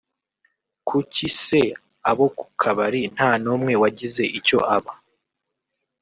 kuki se abo ku kabari nta n’umwe wagize icyo aba